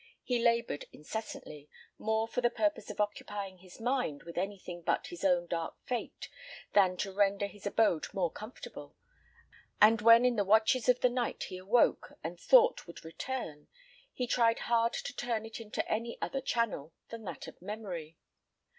He laboured incessantly, more for the purpose of occupying his mind with anything but his own dark fate, than to render his abode more comfortable; and when in the watches of the night he awoke, and thought would return, he tried hard to turn it into any other channel than that of memory.